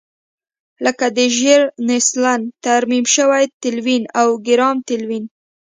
لکه د ژیل نیلسن ترمیم شوی تلوین او ګرام تلوین.